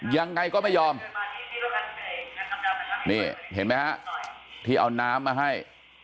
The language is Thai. ยังไงก็ไม่ยอมนี่เห็นไหมฮะที่เอาน้ำมาให้